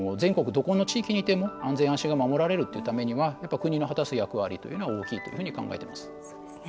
どこの地域にいても安全・安心が守られるというためには国の果たす役割は大きいというふうに考えています。